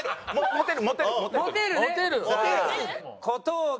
「モテる」ね。